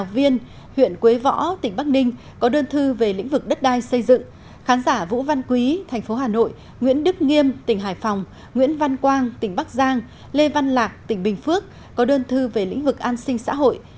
vũ văn quý tp hà nội nguyễn đức nghiêm tỉnh hải phòng nguyễn văn quang tỉnh bắc giang lê văn lạc tỉnh bình phước có đơn thư về lĩnh vực an sinh xã hội